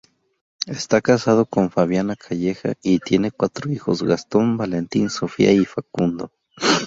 Está casado con Fabiana Calleja y tiene cuatro hijos: Gastón, Valentín, Sofía y Facundo.